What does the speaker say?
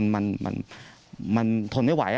มันทนไม่ไหว